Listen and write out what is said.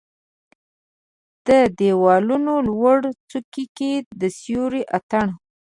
د د یوالونو لوړو څوکو کې د سیورو اټن